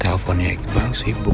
teleponnya iqbal sibuk